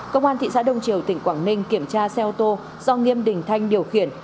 công an thị xã đông triều tỉnh quảng ninh kiểm tra xe ô tô do nghiêm đình thanh điều khiển